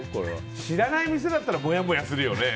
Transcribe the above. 知らない店だったらモヤモヤするよね。